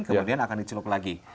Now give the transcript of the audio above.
kemudian akan dicelup lagi